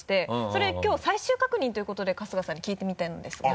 それきょう最終確認ということで春日さんに聞いてみたんですが。